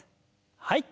はい。